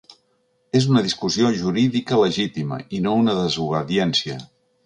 És una discussió jurídica legítima, i no una desobediència.